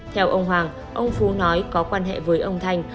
theo ông hoàng ông phú nói có quan hệ với ông thanh